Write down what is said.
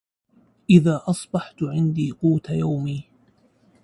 إذا أصبحت عندي قوت يومي